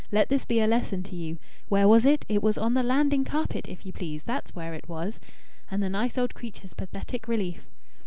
Let this be a lesson to you!... Where was it? It was on the landing carpet, if you please! That's where it was!" And the nice old creature's pathetic relief!